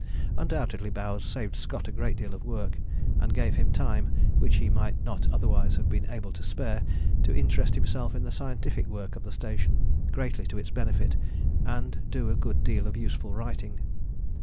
Undoubtedly Bowers saved Scott a great deal of work, and gave him time which he might not otherwise have been able to spare to interest himself in the scientific work of the station, greatly to its benefit, and do a good deal of useful writing.